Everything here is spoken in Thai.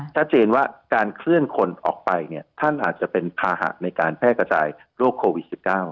ชัดเจนว่าการเคลื่อนคนออกไปเนี่ยท่านอาจจะเป็นภาหะในการแพร่กระจายโรคโควิด๑๙